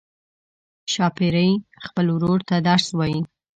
ښاپیرۍ خپل ورور ته درس وايي.